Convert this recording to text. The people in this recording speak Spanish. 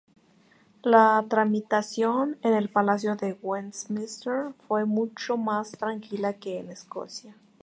La tramitación en el Palacio de Westminster fue mucho más tranquila que en Escocia.